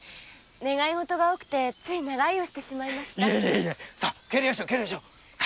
願いごとが多くてつい長居をしてしまいました。